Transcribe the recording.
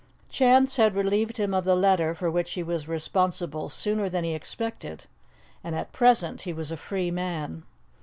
Chance had relieved him of the letter for which he was responsible sooner than he expected, and at present he was a free man.